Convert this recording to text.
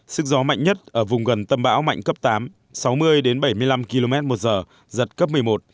sức gió mạnh nhất ở vùng gần tâm bão mạnh cấp tám sáu mươi đến bảy mươi năm km một giờ giật cấp một mươi một